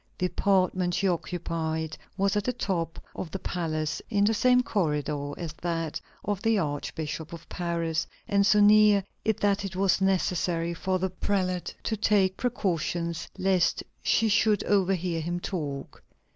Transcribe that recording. The apartment she occupied was at the top of the palace, in the same corridor as that of the Archbishop of Paris, and so near it that it was necessary for the prelate to take precautions lest she should overhear him talk.